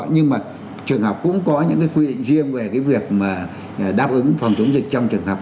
nhưng mà trường học cũng có những cái quy định riêng về cái việc mà đáp ứng phòng chống dịch trong trường học